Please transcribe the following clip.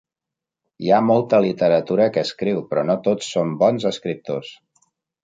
Hi ha molta literatura que escriu, però no tots són bons escriptors.